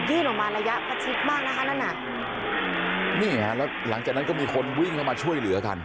ออกมาระยะประชิดมากนะคะนั่นน่ะนี่ฮะแล้วหลังจากนั้นก็มีคนวิ่งเข้ามาช่วยเหลือกัน